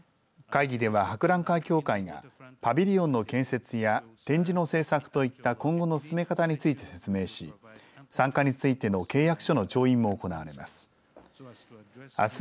会議では、博覧会協会がパビリオンの建設や展示の制作といった今後の進め方について説明し参加についての契約書の調印も行われます。